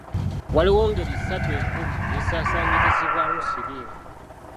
Waliwo engeri ssatu enkulu ezisaasaanyirizibwamu siriimu.